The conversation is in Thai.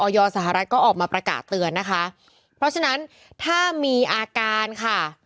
สหรัฐก็ออกมาประกาศเตือนนะคะเพราะฉะนั้นถ้ามีอาการค่ะ